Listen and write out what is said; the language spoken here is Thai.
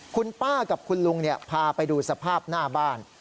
คุณป้ากับคุณลุงพาไปดูสภาพหน้าบ้าน